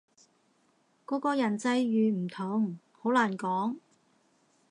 個個人際遇唔同，好難講